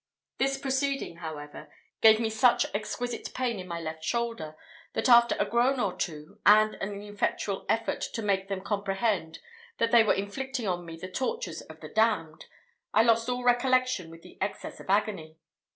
This proceeding, however, gave me such exquisite pain in my left shoulder, that after a groan or two, and an ineffectual effort to make them comprehend that they were inflicting on me the tortures of the damned, I lost all recollection with the excess of agony.